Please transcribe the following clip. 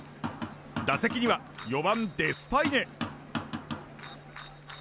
打席には４番、デスパイネ。